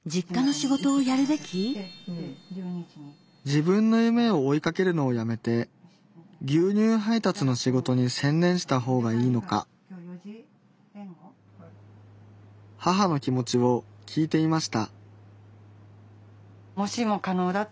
自分の夢を追いかけるのをやめて牛乳配達の仕事に専念した方がいいのか母の気持ちを聞いてみました